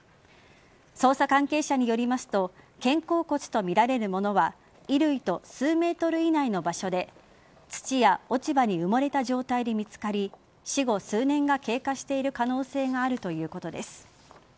捜査関係者によりますと肩甲骨とみられるものは衣類と数ｍ以内の場所で土や落ち葉に埋もれた状態で見つかり死後数年が経過している可能性があるということです。